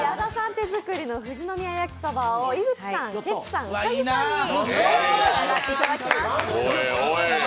手作りの富士宮やきそばを井口さん、ケツさん、兎さんに召し上がっていただきます。